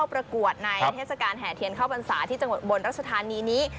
กับช่วงเทศกาลเข้าพรรดาสายแบบนี้